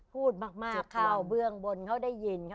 พูดมากเข้าเบื้องบนเขาได้ยินค่ะ